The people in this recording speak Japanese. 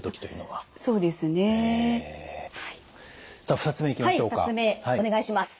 はい２つ目お願いします。